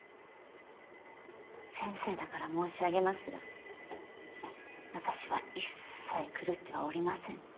先生だから申し上げますが私は一切狂ってはおりません。